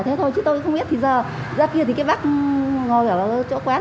thế thôi chứ tôi cũng không biết thì giờ ra kia thì cái bác ngồi ở chỗ quán